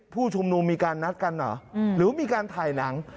พู่ชุมนูมีการนัดกันหรือว่ามีการถ่ายหนัง